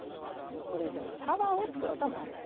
これでタワーを作ろうと思うんです。